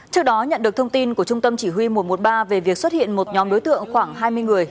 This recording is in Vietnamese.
trước đó nhận được thông tin của trung tâm chỉ huy một trăm một mươi ba về việc xuất hiện một nhóm đối tượng khoảng hai mươi người